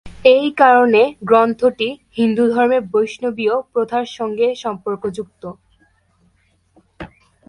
এই কারণে গ্রন্থটি হিন্দুধর্মের বৈষ্ণবীয় প্রথার সঙ্গে সম্পর্কযুক্ত।